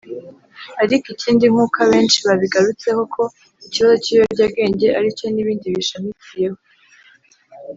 Ariko ikindi nk’uko abenshi babigarutseho ko ikibazo cy’ibiyobyabwenge ari cyo n’ibindi bishamikiyeho